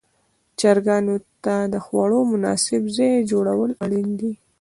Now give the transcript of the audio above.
چرګانو ته د خوړلو مناسب ځای جوړول اړین دي.